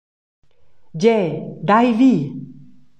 Gie, dai vi.